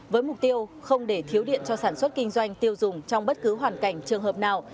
với mục tiêu không để thiếu điện cho sản xuất kinh doanh tiêu dùng trong bất cứ hoàn cảnh trường hợp nào